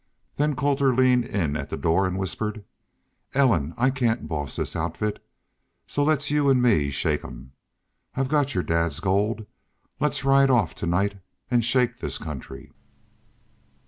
Then Colter leaned in at the door and whispered: "Ellen, I cain't boss this outfit. So let's y'u an' me shake 'em. I've got your dad's gold. Let's ride off to night an' shake this country."